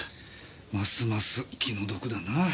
ますます気の毒だな。